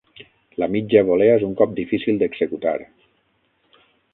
La mitja volea és un cop difícil d'executar.